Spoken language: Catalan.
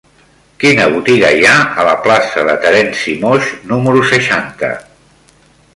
Quina botiga hi ha a la plaça de Terenci Moix número seixanta?